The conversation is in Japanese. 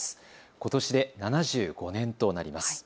ことしで７５年となります。